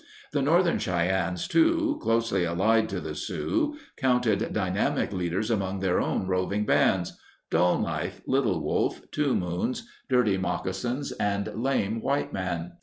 The North ern Cheyennes, too, closely allied to the Sioux, counted dynamic leaders among their own roving bands: Dull Knife, Little Wolf, Two Moons, Dirty Moccasins, and Lame White Man.